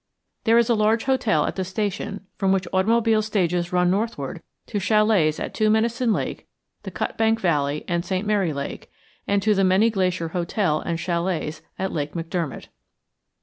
There is a large hotel at the station from which automobile stages run northward to chalets at Two Medicine Lake, the Cut Bank Valley, and St. Mary Lake, and to the Many Glacier Hotel and chalets at Lake McDermott.